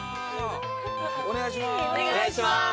お願いします。